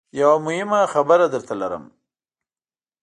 یوه مهمه خبره درته لرم .